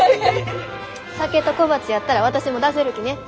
酒と小鉢やったら私も出せるきね。